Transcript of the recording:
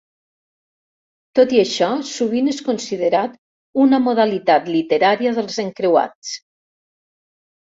Tot i això, sovint és considerat una modalitat literària dels encreuats.